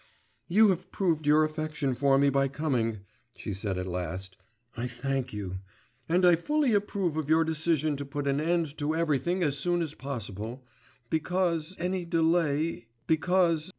'You have proved your affection for me by coming,' she said at last, 'I thank you. And I fully approve of your decision to put an end to everything as soon as possible ... because any delay ... because